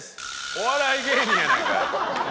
お笑い芸人やないかい！